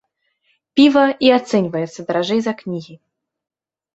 Піва і ацэньваецца даражэй за кнігі.